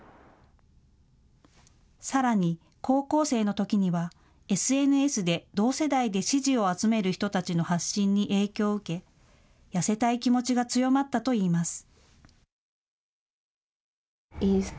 さらに高校生のときにはＳＮＳで同世代で支持を集める人たちの発信に影響を受け、痩せたい気持ちが強まったといいます。